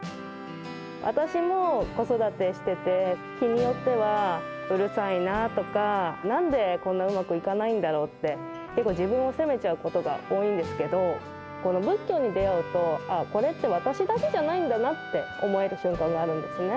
私も子育てしてて、日によってはうるさいなとか、なんでこんなうまくいかないんだろうって、自分を責めちゃうことが多いんですけど、仏教に出会うと、あっ、これって私だけじゃないんだなって思える瞬間があるんですね。